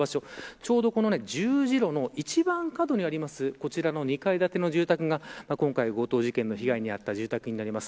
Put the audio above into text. ちょうどこの十字路の一番角にあるこちらの２階建ての住宅が今回強盗事件の被害に遭った住宅になります。